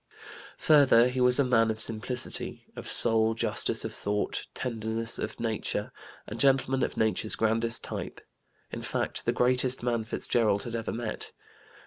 Further he was a man of simplicity; of soul, justice of thought, tenderness of nature, a gentleman of Nature's grandest type," in fact the "greatest man" Fitzgerald had ever met.